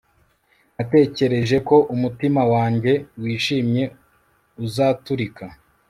natekereje ko umutima wanjye wishimye uzaturika